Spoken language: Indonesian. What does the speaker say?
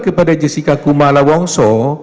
kepada jessica kumala wongso